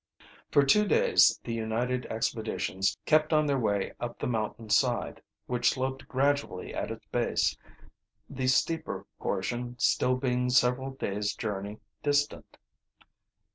For two days the united expeditions kept on their way up the mountain side, which sloped gradually at its base, the steeper portion still being several days' journey distant.